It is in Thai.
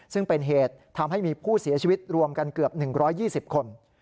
ซึ่งเป็นเหตุทำให้มีผู้เสียชีวิตรวมกันเกือบ๑๒๐คน